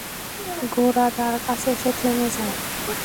ঘোড়া তার কাছে এসে থেমে যায়।